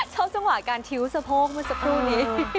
จังหวะการคิ้วสะโพกเมื่อสักครู่นี้